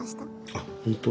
あっ本当？